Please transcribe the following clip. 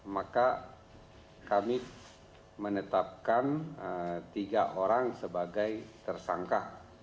maka kami menetapkan tiga orang sebagai tersangka